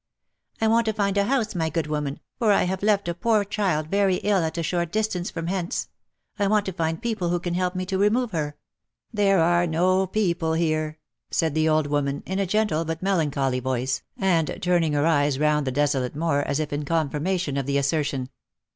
" I want to find a house, my good woman, for I have left a poor child very ill at a short distance from hence ; I want to find people who can help me to remove her." " There are no people here," said the old woman, in a gentle but melancholy voice, and turning her eyes round the desolate moor as if in confirmation of the assertion.